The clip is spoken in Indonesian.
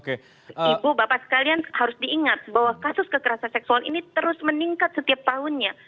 ibu bapak sekalian harus diingat bahwa kasus kekerasan seksual ini terus meningkat setiap tahunnya